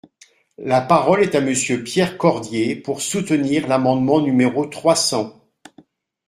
La parole est à Monsieur Pierre Cordier, pour soutenir l’amendement numéro trois cents.